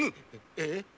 えっ？